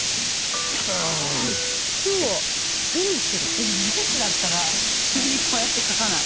いや「えス」だったら普通にこうやって書かない？